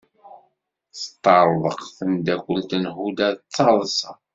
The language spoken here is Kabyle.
Teṭṭerḍeq temdakelt n Huda d taḍsa.